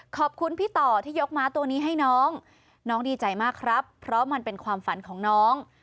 ขอบคุณพี่ต่อที่ยกม้าตัวนี้ให้น้องน้องดีใจมากครับเพราะมันเป็นความฝันของน้อง